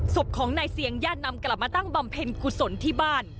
ศพของนายเซียงญาตินำกลับมาตั้งบำเพ็ญกุศลที่บ้าน